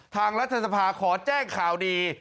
รัฐสภาขอแจ้งข่าวดี